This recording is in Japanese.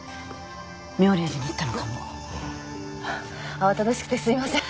慌ただしくてすいません。